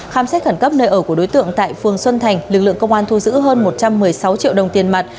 khám xét khẩn cấp nơi ở của đối tượng tại phường xuân thành lực lượng công an thu giữ hơn một trăm một mươi sáu triệu đồng tiền mặt